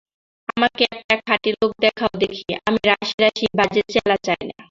আমাকে একটা খাঁটি লোক দাও দেখি, আমি রাশি রাশি বাজে চেলা চাই না।